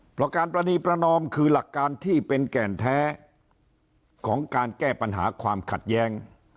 เพราะการประนีประนอมคือหลักการที่เป็นแก่นแท้ของการแก้ปัญหาความขัดแย้ง